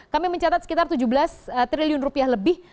kami mencatat sekitar tujuh belas triliun rupiah lebih